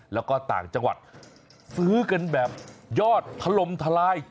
แล้วก็ต่างจังหวัดซื้อกันแบบยอดทะลมทลาย